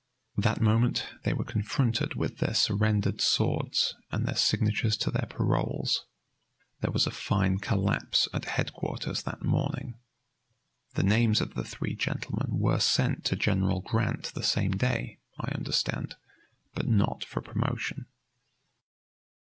That moment they were confronted with their surrendered swords and their signatures to their paroles. There was a fine collapse at headquarters that morning. The names of the three gentlemen were sent to General Grant the same day, I understand. But not for promotion."